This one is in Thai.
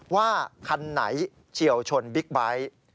ว่าคันไหนเฉียวชนบิ๊กไบท์